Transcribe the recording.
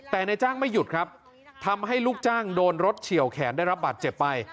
แต่นายจ้างไม่หยุดครับทำให้ลูกจ้างโดนรถเฉียวแขนได้รับบาดเจ็บไป